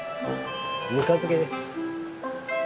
ぬか漬けです。